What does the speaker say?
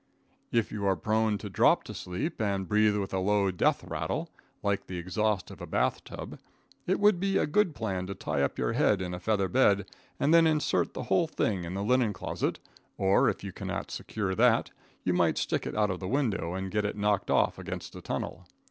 If you are prone to drop to sleep and breathe with a low death rattle, like the exhaust of a bath tub, it would be a good plan to tie up your head in a feather bed and then insert the whole thing in the linen closet; or, if you cannot secure that, you might stick it out of the window and get it knocked off against a tunnel.